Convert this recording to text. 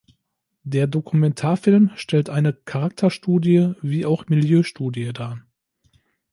Der Dokumentarfilm stellt eine Charakterstudie wie auch Milieustudie dar.